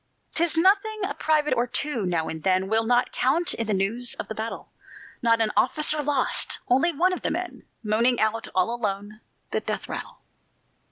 'Tis nothing: a private or two, now and then, Will not count in the news of the battle; Not an officer lost only one of the men, Moaning out, all alone, the death rattle."